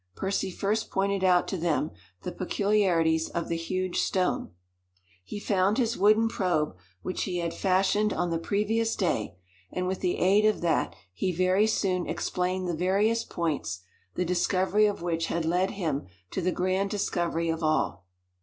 Percy first pointed out to them the peculiarities of the huge stone. He found his wooden probe which he had fashioned on the previous day, and with the aid of that he very soon explained the various points, the discovery of which had led him to the grand discovery of all.